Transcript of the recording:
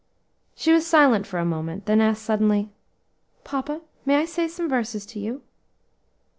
She was silent for a moment, then asked suddenly, "Papa, may I say some verses to you?"